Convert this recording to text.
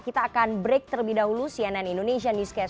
kita akan break terlebih dahulu cnn indonesia newscast